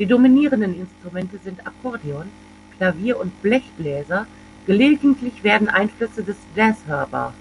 Die dominierenden Instrumente sind Akkordeon, Klavier und Blechbläser, gelegentlich werden Einflüsse des Jazz hörbar.